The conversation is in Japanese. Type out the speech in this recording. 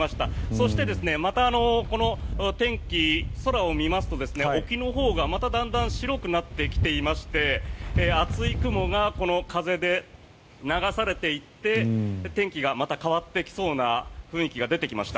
そして、また天気、空を見ますと沖のほうが、まただんだん白くなってきていまして厚い雲がこの風で流されていって天気がまた変わってきそうな雰囲気が出てきました。